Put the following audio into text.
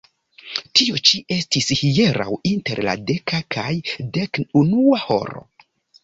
Tio ĉi estis hieraŭ inter la deka kaj dek unua horo.